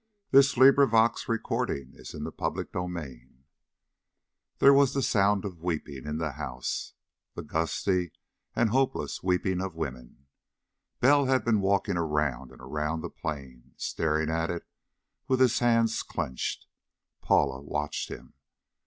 And Ribiera knows we're here or will." CHAPTER IX There was the sound of weeping in the house, the gusty and hopeless weeping of women. Bell had been walking around and around the plane, staring at it with his hands clenched. Paula watched him.